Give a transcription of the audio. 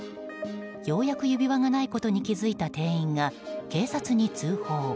ようやく指輪がないことに気付いた店員が警察に通報。